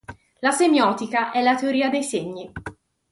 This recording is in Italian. La semiotica è la teoria dei segni.